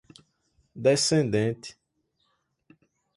descendente